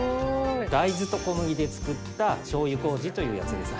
大豆と小麦で造った醤油麹というやつです。